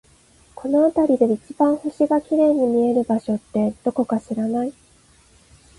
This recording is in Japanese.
この辺りで一番星が綺麗に見える場所って、どこか知らない？